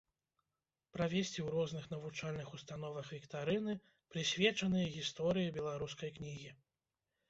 Правесці ў розных навучальных установах віктарыны, прысвечаныя гісторыі беларускай кнігі.